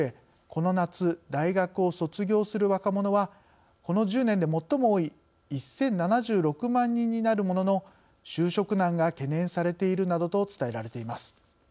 この夏大学を卒業する若者はこの１０年で最も多い１，０７６万人になるものの就職難が懸念されているなどと伝えられています。